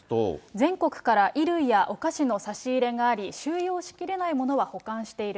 全国から衣類やお菓子の差し入れがあり、収容しきれないものは保管している。